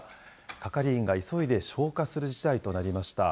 係員が急いで消火する事態となりました。